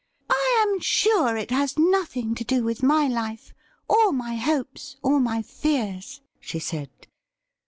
' I am sure it has nothing to do with my life, or my hopes, or my fears,' she said.